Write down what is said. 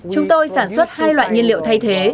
chúng tôi sản xuất hai loại nhiên liệu thay thế